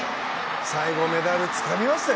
最後メダルをつかみました。